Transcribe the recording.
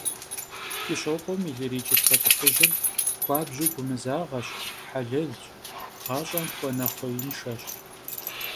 КӀыщокъуэм и лирическэ лӀыхъужьыр хуабжьу гумызагъэщ, хьэлэлщ, гъащӀэм хуэнэхъуеиншэщ.